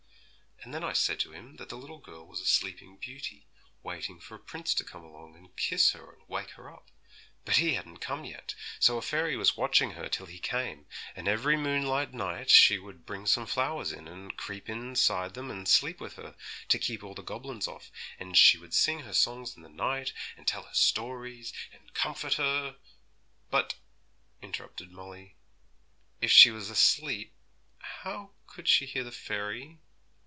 and then I said to him that the little girl was a sleeping beauty waiting for a prince to come along and kiss her and wake her up; but he hadn't come yet, so a fairy was watching her till he came; and every moonlight night she would bring some flowers in, and creep inside them and sleep with her, to keep all the goblins off, and she would sing her songs in the night, and tell her stories, and comfort her ' 'But,' interrupted Molly, 'if she was asleep, how could she hear the fairy?'